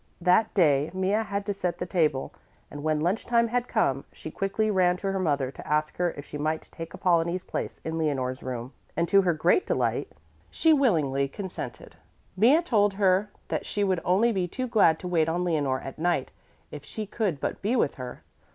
That day Mea had to set the table, and when lunch time had come, she quickly ran to her mother to ask her if she might take Apollonie's place in Leonore's room, and to her great delight she willingly consented. Mea told her she would only be too glad to wait on Leonore at night if she could but be with her.